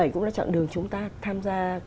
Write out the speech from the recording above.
cũng là chặng đường chúng ta tham gia